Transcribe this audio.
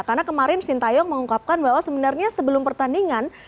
karena kemarin sintayong mengungkapkan bahwa sebenarnya sebelum pertandingan